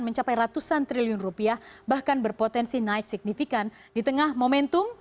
mencapai ratusan triliun rupiah bahkan berpotensi naik signifikan di tengah momentum